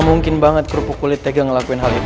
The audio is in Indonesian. mungkin banget kerupuk kulit tega ngelakuin hal itu